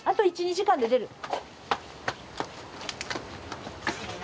じゃあ、あと１２時間で出る。